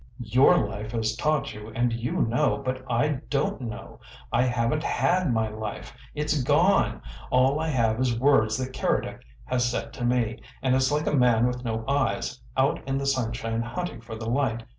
Your life has taught you, and you know, but I don't know. I haven't HAD my life. It's gone! All I have is words that Keredec has said to me, and it's like a man with no eyes, out in the sunshine hunting for the light.